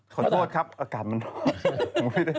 ขอโทษครับอากาศมันร้อน